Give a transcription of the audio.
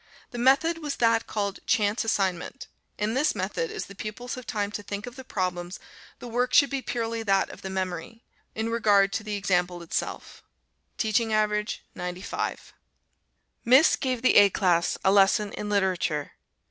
The method was that called "Chance Assignment;" in this method, as the pupils have time to think of the problems, the work should be purely that of the memory, in regard to the example itself. Teaching average 95. Miss gave the A class a lesson in Literature.